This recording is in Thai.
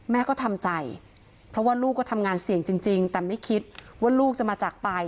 แม่ก็ทำใจเพราะว่าลูกก็ทำงานเสี่ยงจริงแต่ไม่คิดว่าลูกจะมาจากไป